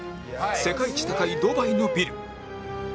世界一高いドバイのビル